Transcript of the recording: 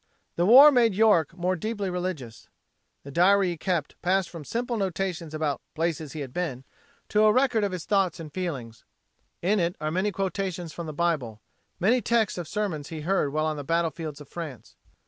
The war made York more deeply religious. The diary he kept passed from simple notations about "places he had been" to a record of his thoughts and feelings. In it are many quotations from the Bible; many texts of sermons he heard while on the battlefields of France.